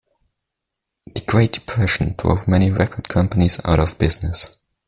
The Great Depression drove many record companies out of business.